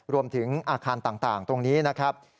รวมถึงอาคารต่างตรงนี้นะครับ